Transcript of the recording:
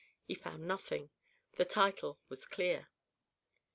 He found nothing; the title was clear.